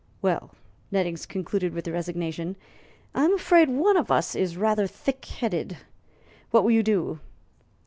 "Well," Nettings concluded with resignation, "I'm afraid one of us is rather thick headed. What will you do?"